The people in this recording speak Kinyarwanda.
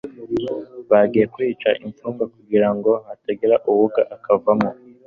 bagiye kwica imfungwa kugira ngo hatagira uwoga akavamo